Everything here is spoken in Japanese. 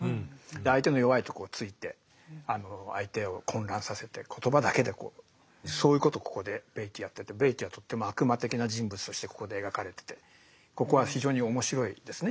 で相手の弱いとこをついて相手を混乱させて言葉だけでこうそういうことをここでベイティーやっててベイティーはとっても悪魔的な人物としてここで描かれててここは非常に面白いですね